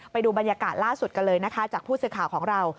ไปดูบรรยากาศล่าสุดกันเลยนะคะจากผู้สื่อข่าวของเรา